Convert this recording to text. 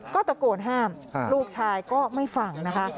ก็ตะโกนห้ามลูกชายก็ไม่ฟังนะคะ